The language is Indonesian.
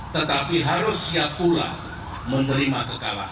tetapi harus siap pula menerima kekalahan